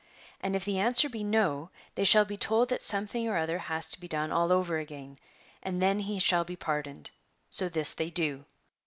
And if the answer be no, they shall be told that something or other has to be done all over again, and then he shall be j)ardoned ; so this they do.